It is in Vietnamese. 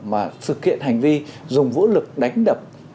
mà thực hiện hành vi dùng vũ lực đánh đập